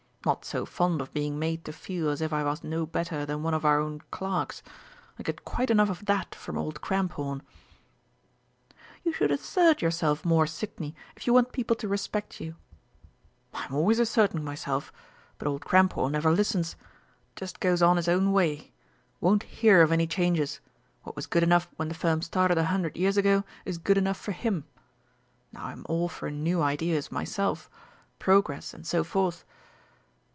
Not so fond of being made to feel as if I was no better than one of our own clerks. I get quite enough of that from old Cramphorn!" "You should assert yourself more, Sidney, if you want people to respect you." "I'm always asserting myself but old Cramphorn never listens! Just goes on his own way. Won't hear of any changes what was good enough when the firm started a hundred years ago is good enough for him now I'm all for new ideas myself Progress and so forth!"